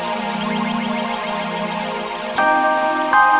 dokter tolong lakukan sesuatu untuk istri saya